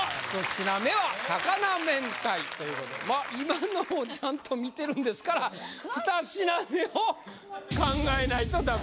１品目は高菜明太ということで今のもちゃんと見てるんですから２品目を考えないとダメ